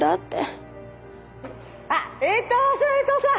あっ衛藤さん衛藤さん！